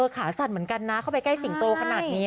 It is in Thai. ขาสั่นเหมือนกันนะเข้าไปใกล้สิงโตขนาดนี้